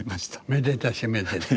めでたしめでたし。